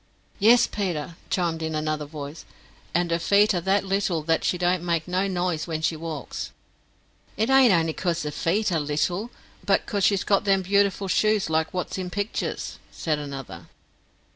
"Yes, Peter," chimed in another voice; "and her feet are that little that she don't make no nise wen she walks." "It ain't only becos her feet are little, but cos she's got them beautiful shoes like wot's in picters," said another.